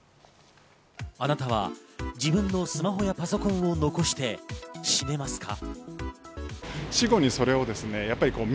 あなたは自分のスマホやパソコンを遺して死ねますか？